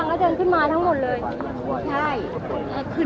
มันเป็นสิ่งที่จะให้ทุกคนรู้สึกว่ามันเป็นสิ่งที่จะให้ทุกคนรู้สึกว่า